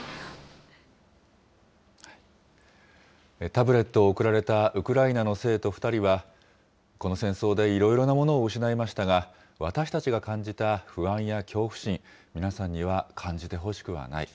タブレットを贈られたウクライナの生徒２人は、この戦争でいろいろなものを失いましたが、私たちが感じた不安や恐怖心、皆さんには感じてほしくはない。